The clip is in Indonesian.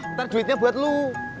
ntar duitnya buat lo